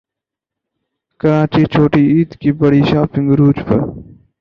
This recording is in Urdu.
کراچی چھوٹی عید کی بڑی شاپنگ عروج پر